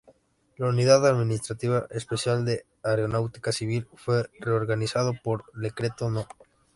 La Unidad Administrativa Especial de Aeronáutica Civil fue reorganizado por el Decreto No.